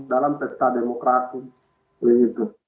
dalam pesta demokrasi